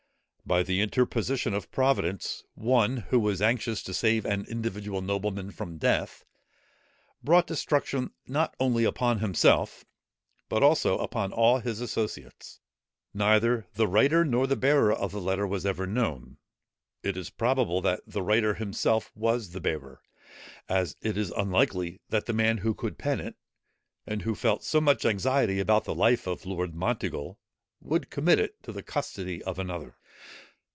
By the interposition of Providence one, who was anxious to save an individual nobleman from death, brought destruction not only upon himself, but also upon all his associates. Neither the writer nor the bearer of the letter was ever known. It is probable that the writer himself was the bearer, as it is unlikely that the man who could pen it, and who felt so much anxiety about the life of Lord Monteagle, would commit it to the custody of another.